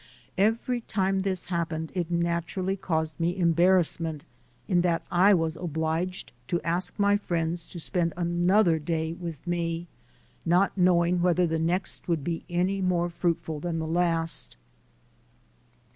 Every time this happened it naturally caused me embarrassment in that I was obliged to ask my friends to spend another day with me, not knowing whether the next would be any more fruitful than the last.